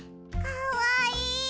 かわいい！